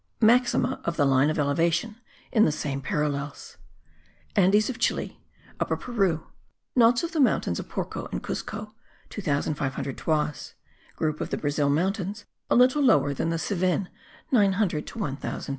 MAXIMA OF THE LINE OF ELEVATION IN THE SAME PARALLELS. Andes of Chile, Upper Peru. Knots of the mountains of Porco and Cuzco, 2500 toises. : Group of the Brazil Mountains; a little lower than the Cevennes 900 to 1000 toises.